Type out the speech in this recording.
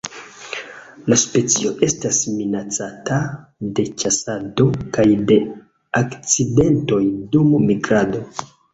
La specio estas minacata de ĉasado kaj de akcidentoj dum migrado.